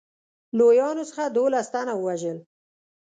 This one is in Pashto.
لویانو څخه دوولس تنه ووژل.